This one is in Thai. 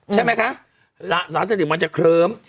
ใช่ไหมคะสารเสพติดมันจะเคลิ้ม